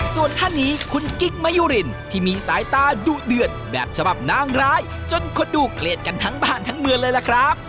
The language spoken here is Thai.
ส่วนท่านนี้คุณกิ๊กมะยุรินที่มีสายตาดุเดือดแบบฉบับนางร้ายจนคนดูเครียดกันทั้งบ้านทั้งเมืองเลยล่ะครับ